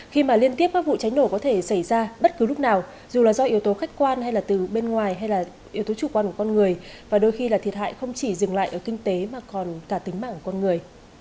khi mà liên tiếp các vụ cháy nổ có thể xảy ra bất cứ lúc nào dù là do yếu tố khách quan hay là từ bên ngoài hay là yếu tố chủ quan của con người và đôi khi là thiệt hại không chỉ dừng lại ở kinh tế mà còn cả tính mạng con người